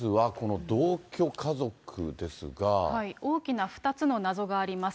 大きな２つの謎があります。